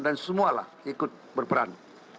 dan semualah ikut berperan